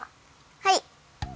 はい。